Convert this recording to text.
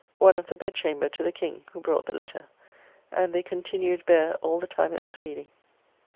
] one of the bedchamber to the King, who brought the letter, and they continued bare all the time it was reading.